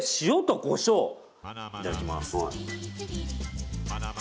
いただきます。